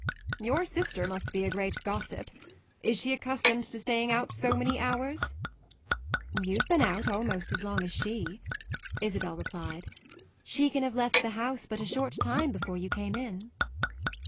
"Your sister must be a great gossip. Is she accustomed to staying out so many hours?" "You've been out almost as long as she," Isabel replied; "she can have left the house but a short time before you came in."